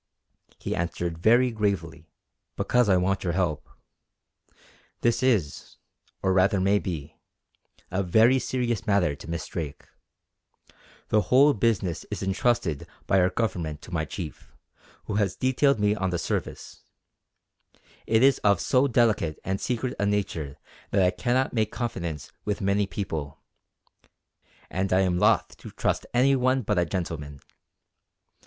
He answered very gravely: "Because I want your help. This is, or rather may be, a very serious matter to Miss Drake. The whole business is entrusted by our government to my chief, who has detailed me on the service. It is of so delicate and secret a nature that I cannot make confidence with many people, and I am loth to trust any one but a gentleman.